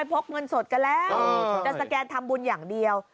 พกเงินสดกันแล้วจะสแกนทำบุญอย่างเดียว